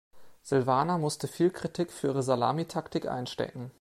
Silvana musste viel Kritik für ihre Salamitaktik einstecken.